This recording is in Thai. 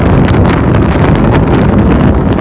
เมื่อเกิดขึ้นมันกลายเป้าหมายเป้าหมาย